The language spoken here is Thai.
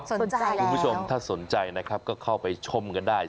สนใจคุณผู้ชมถ้าสนใจนะครับก็เข้าไปชมกันได้